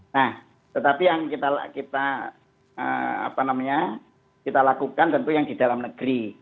nah tetapi yang kita lakukan tentu yang di dalam negeri